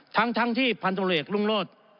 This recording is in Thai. ทั้งที่พันธุรกิจลุงโลศ